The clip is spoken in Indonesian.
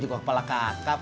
juga kepala kakap